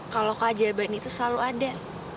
kalau keajaban itu selalu ada